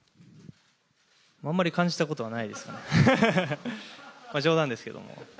あんまり感じたことはないですね、冗談ですけども。